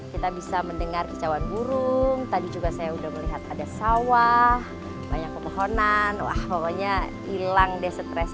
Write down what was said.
kita bisa mendengar kecauan burung tadi juga saya sudah melihat ada sawah banyak pepohonan wah pokoknya hilang deh stres